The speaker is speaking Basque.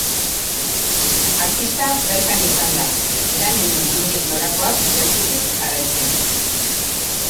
Artista bertan izan da, lanen nondik norakoak gertutik jarraitzen.